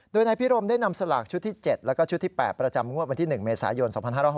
โดยนายพิรมได้นำสลากชุดที่๗แล้วก็ชุดที่๘ประจำงวดวันที่๑เมษายน๒๕๖๐